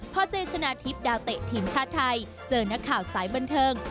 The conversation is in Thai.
พอเจชนะทิพย์ดาวเตะทีมชาติไทยเจอนักข่าวสายบันเทิง